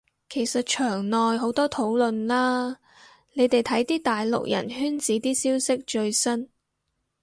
其實牆內好多討論啦，你哋睇啲大陸人圈子啲消息最新